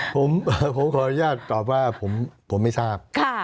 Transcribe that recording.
ผมขออนุญาตตอบว่าผมไม่ทราบ